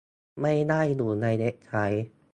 ไม่ได้อยู่ในเว็บไซต์